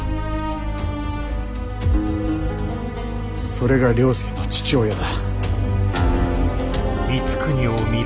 それが了助の父親だ。